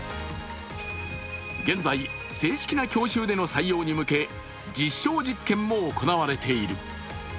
現在、正式な教習での採用に向け実証実験も行われている。